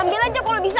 ambil aja kalau bisa